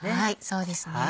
そうですね。